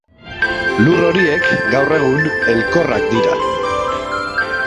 Lur horiek gaur egun elkorrak dira.